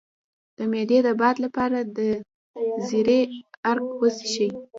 د معدې د باد لپاره د زیرې عرق وڅښئ